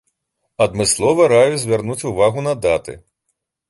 Адмыслова раю звярнуць увагу на даты.